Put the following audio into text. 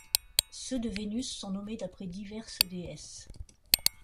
Ceux de Vénus sont nommés d'après diverses déesses.